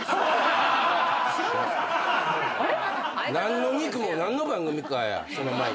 何の肉も何の番組かやその前に。